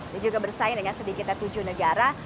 dan juga bersaing dengan sedikitnya tujuh negara